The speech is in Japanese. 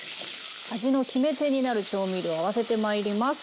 味の決め手になる調味料合わせてまいります。